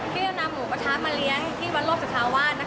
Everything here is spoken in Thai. ที่จะนำหมูกระทะมาเลี้ยงที่วัดโลกสุธาวาส